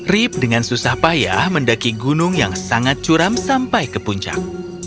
rip dengan susah payah mendaki gunung yang sangat curam sampai ke puncak